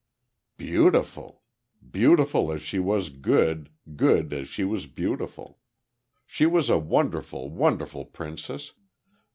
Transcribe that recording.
"Beautiful. Beautiful as she was good, good as she was beautiful. She was a wonderful, wonderful princess.